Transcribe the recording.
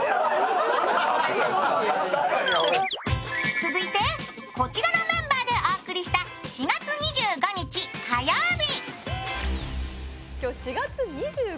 続いてこちらのメンバーでお送りした４月２５日火曜日。